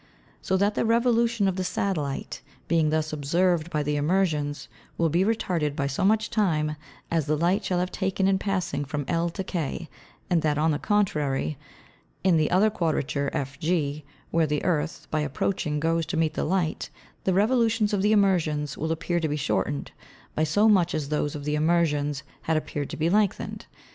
So that the Revolution of the Satellit being thus observ'd by the Emersions, will be retarded by so much time, as the Light shall have taken in passing from L to K; and that on the contrary, in the other Quadrature FG, where the Earth by approaching goes to meet the Light, the Revolutions of the Emersions will appear to be shortned, by so much as those of the Emersions had appear'd to be lengthned.